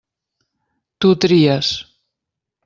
Tu tries.